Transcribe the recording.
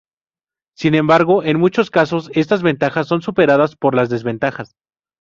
Sin embargo, en muchos casos estas ventajas son superadas por las desventajas.